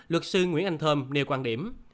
luật sư nguyễn anh thơm nêu quan điểm